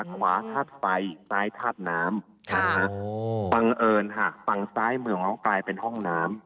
ขวาธาตุไฟซ้ายธาตุน้ำบังเอิญหากฝั่งซ้ายเมืองน้องกลายเป็นห้องน้ำ